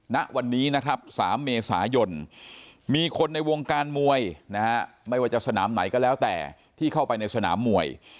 ณวันนี้นะครับ๓เมษายนมีคนในวงการมวยนะฮะไม่ว่าจะสนามไหนก็แล้วแต่ที่เข้าไปในสนามมวย